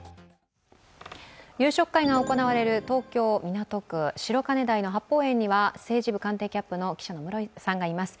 夕食会が行われる東京・港区白金台の八芳園には政治部官邸キャップの記者の室井さんがいます。